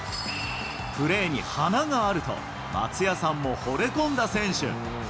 プレーに華があると、松也さんもほれ込んだ選手。